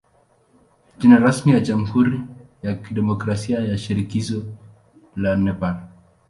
Jina rasmi ni jamhuri ya kidemokrasia ya shirikisho la Nepal.